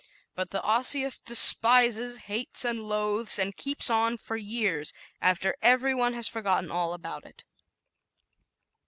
But the Osseous despises, hates and loathes and keeps on for years after every one else has forgotten all about it.